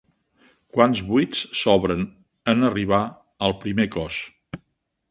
Quants buits s'obren en arribar al primer cos?